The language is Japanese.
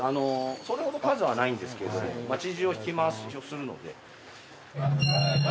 それほど数はないんですけど町中を引き回しをするので。